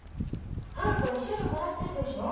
春子は慰謝料もらってるでしょ。